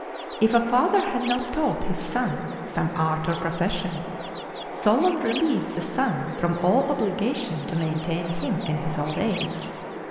If a father had not taught his son some art or profession, Solon relieved the son from all obligation to maintain him in his old age.